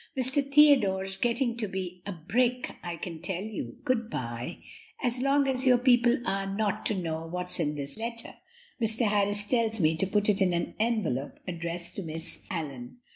Mr. Theodore's getting to be a brick, I can tell you. Good by. As long as your people are not to know what's in this letter, Mr. Harris tells me to put it in an envelope addressed to Miss Allyn.